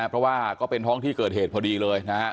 เพราะว่าก็เป็นท้องที่เกิดเหตุพอดีเลยนะครับ